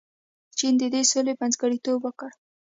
چین د دې سولې منځګړیتوب وکړ.